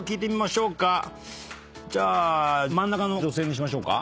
じゃあ真ん中の女性にしましょうか。